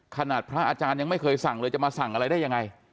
พระอาจารย์ยังไม่เคยสั่งเลยจะมาสั่งอะไรได้ยังไง